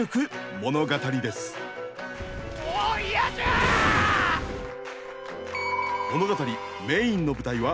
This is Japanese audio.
物語メインの舞台は東海地方。